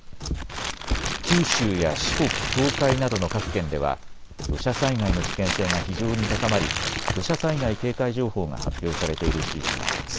九州や四国、東海などの各県では土砂災害の危険性が非常に高まり土砂災害警戒情報が発表されている地域があります。